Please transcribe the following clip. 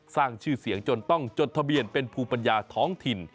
สร้างชื่อเสียงจนต้องจดทะเบียนเป็นภูมิปัญญาท้องถิ่น